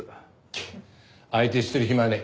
ケッ相手してる暇はねえ。